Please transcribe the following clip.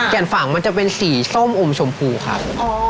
ฝั่งมันจะเป็นสีส้มอมชมพูครับ